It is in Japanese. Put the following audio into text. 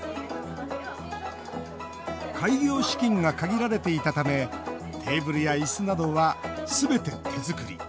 開業資金が限られていたためテーブルや、いすなどはすべて手作り。